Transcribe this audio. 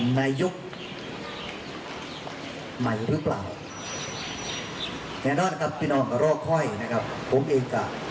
เมื่อเมือนี่คุณขอโทษค่ะ